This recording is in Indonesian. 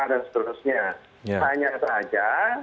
dan seterusnya hanya saja